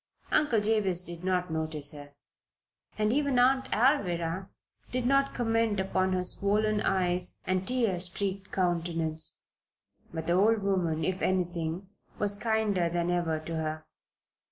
Uncle Jabez did not notice her, and even Aunt Alvirah did not comment upon her swollen eyes and tear streaked countenance. But the old woman, if anything, was kinder than ever to her.